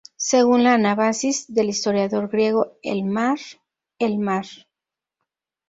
Según la Anábasis del historiador griego, "¡El mar, el mar!